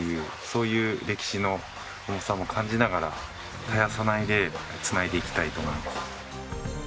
そういう歴史の重さも感じながら絶やさないで繋いでいきたいと思います。